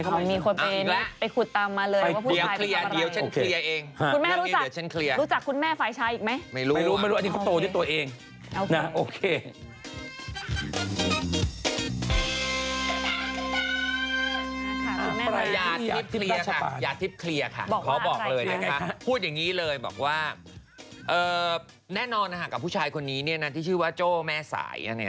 อ้าวมีคนไปคุดตามมาเลย